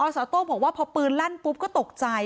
สาวโต้งบอกว่าพอปืนลั่นปุ๊บก็ตกใจ